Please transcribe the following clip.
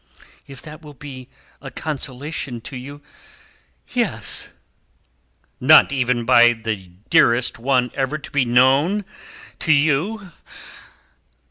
"If that will be a consolation to you, yes." "Not even by the dearest one ever to be known to you?"